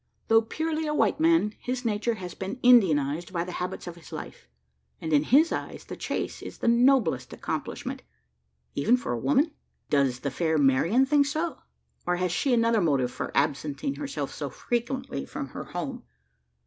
Though purely a white man, his nature has been Indianised by the habits of his life: and in his eyes, the chase is the noblest accomplishment even for a woman? Does the fair Marian think so? Or has she another motive for absenting herself so frequently from her home?